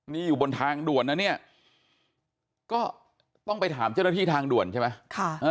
นี่อยู่บนทางด่วนนะเนี่ยก็ต้องไปถามเจ้าหน้าที่ทางด่วนใช่ไหม